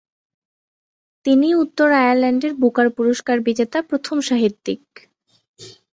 তিনিই উত্তর আয়ারল্যান্ডের বুকার পুরস্কার বিজেতা প্রথম সাহিত্যিক।